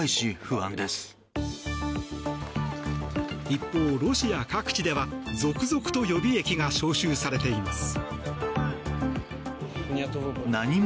一方、ロシア各地では続々と予備役が招集されています。